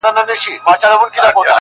• هر څه هماغسې مبهم پاتې کيږي,